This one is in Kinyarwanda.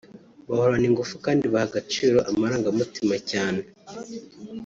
bahorana ingufu kandi baha agaciro amarangamutima cyane